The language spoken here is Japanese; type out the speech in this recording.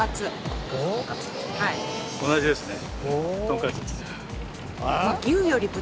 同じですね。